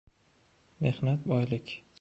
Mehnat — boylik.